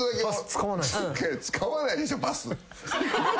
使わないでしょパス。